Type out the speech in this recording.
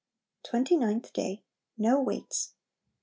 Twenty Ninth Day. No Weights.